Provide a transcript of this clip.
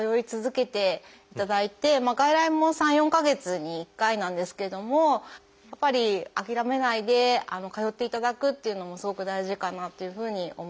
外来も３４か月に１回なんですけどもやっぱり諦めないで通っていただくっていうのもすごく大事かなというふうに思います。